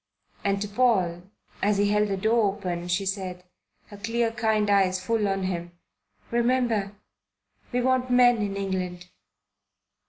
And to Paul, as he held the door open, she said, her clear kind eyes full on him, "Remember, we want men in England."